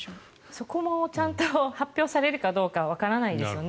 そこもちゃんと発表されるかどうかはわからないですよね。